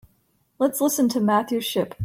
Let's listen to Matthew Shipp.